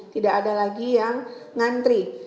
tidak ada lagi yang ngantri